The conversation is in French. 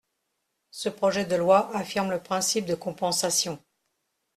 Ce projet de loi affirme le principe de compensation.